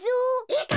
いいか！